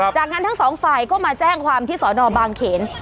จากนั้นทั้งสองฝ่ายก็มาแจ้งความที่สอนอบางเขน